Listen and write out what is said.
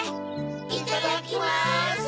いただきます。